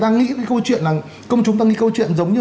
câu chuyện là công chúng ta nghĩ câu chuyện giống như